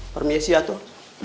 permisi ya tuh